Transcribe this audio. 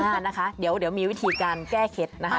กันนะคะเดี๋ยวมีวิธีการแก้เคล็ดนะคะ